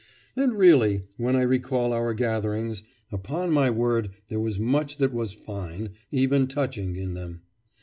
And really, when I recall our gatherings, upon my word there was much that was fine, even touching, in them.